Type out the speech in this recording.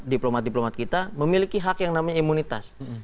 diplomat diplomat kita memiliki hak yang namanya imunitas